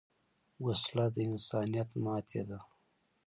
وسله د انسانیت ماتې ده